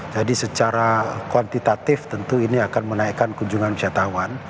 jadi secara kuantitatif tentu ini akan menaikkan kunjungan gitu